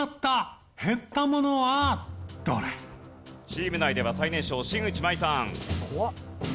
チーム内では最年少新内眞衣さん。